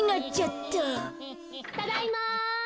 ただいま。